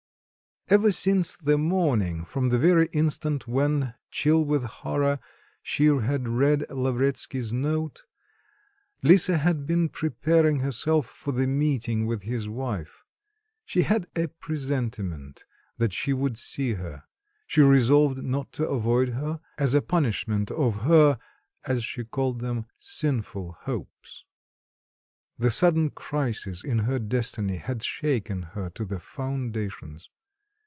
Ever since the morning, from the very instant when, chill with horror, she had read Lavretsky's note, Lisa had been preparing herself for the meeting with his wife. She had a presentiment that she would see her. She resolved not to avoid her, as a punishment of her, as she called them, sinful hopes. The sudden crisis in her destiny had shaken her to the foundations.